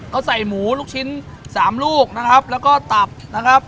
เขาใส่หมูลูกชิ้น๓ลูกนะครับแล้วก็ตับนะครับ